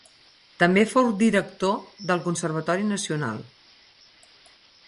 També fou director del Conservatori Nacional.